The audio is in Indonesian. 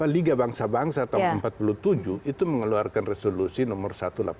liga bangsa bangsa tahun seribu sembilan ratus empat puluh tujuh itu mengeluarkan resolusi nomor satu ratus delapan puluh